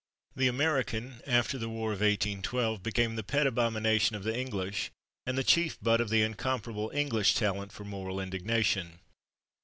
The American, after the war of 1812, became the pet abomination of the English, and the chief butt of the incomparable English talent for moral indignation.